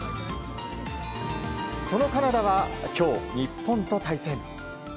そのカナダは今日、日本と対戦。